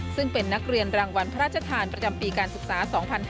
ซึ่งเป็นนักเรียนรางวัลพระราชทานประจำปีการศึกษา๒๕๕๙